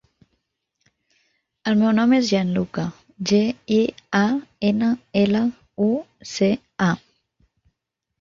El meu nom és Gianluca: ge, i, a, ena, ela, u, ce, a.